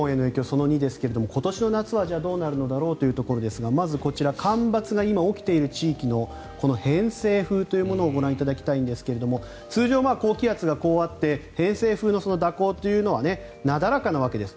その２ですけれども今年の夏は、じゃあどうなるのだろうということでまずこちら干ばつが今、起きている地域の偏西風というものをご覧いただきたいんですけれども通常、高気圧がこうあって偏西風の蛇行というのはなだらかなわけです。